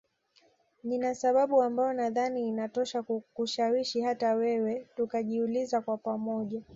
Nina sababu ambayo nadhani inatosha kukushawishi hata wewe tukajiuliza kwa pamoja